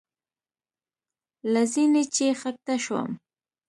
له زینې چې ښکته شوم.